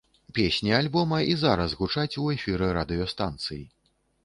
Песні альбома і зараз гучаць у эфіры радыёстанцый.